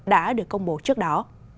đã được công bố trước đó